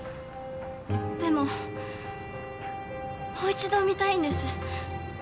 でももう一度見たいんです。